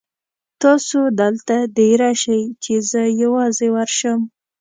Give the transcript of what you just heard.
تاسو دلته دېره شئ چې زه یوازې ورشم.